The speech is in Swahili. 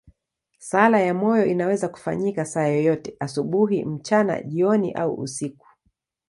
Sala ya moyo inaweza kufanyika saa yoyote, asubuhi, mchana, jioni au usiku.